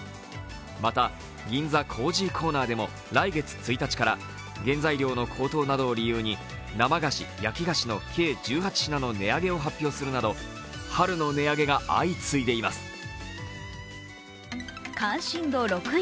また、銀座コージーコーナーでも来月１日から原材料の高騰などを理由に生菓子・焼き菓子の計１８品の値上げを発表するなど春の値上げが相次いでいます。